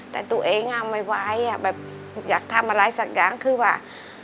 แต่ตัวเองไม่ไหวแบบอยากทำอะไรสักอย่างคือว่า